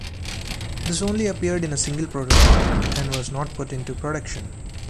This only appeared in a single prototype and was not put into production.